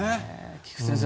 菊地先生